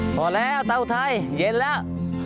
พอแล้วเตาไทยเย็นแล้ว